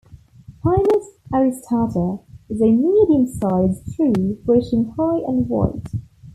"Pinus aristata" is a medium-size tree, reaching high and wide.